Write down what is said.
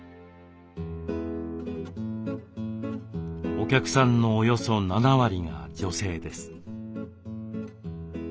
お客さんのおよそ７割が女性です。